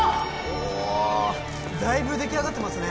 おおだいぶ出来上がってますね